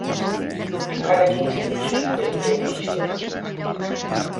Elkarrekin zerikusirik ez duten bi istorio.